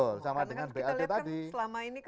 karena kita lihat kan selama ini